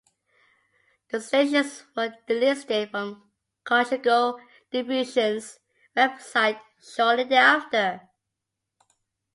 The stations were delisted from Cogeco Diffusion's website shortly thereafter.